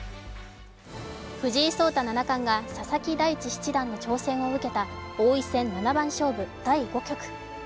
藤井聡太七冠が佐々木大地七段の挑戦を受けた王位戦七番勝負第５局。